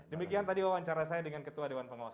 demikian tadi wawancara saya dengan ketua dewan pengawas